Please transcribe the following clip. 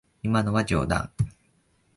今のは冗談。